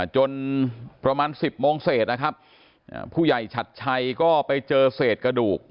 จนประมาณ๑๐โมงเศษนะครับผู้ใหญ่ชัดชัยก็ไปเจอเศษกระดูก